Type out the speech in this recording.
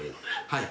はい。